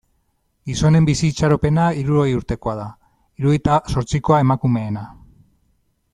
Gizonen bizi itxaropena hirurogei urtekoa da, hirurogeita zortzikoa emakumeena.